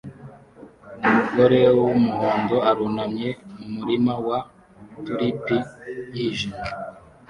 Umugore wumuhondo arunamye mumurima wa tulipi yijimye